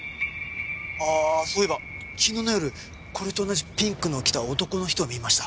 ああそういえば昨日の夜これと同じピンクのを着た男の人を見ました。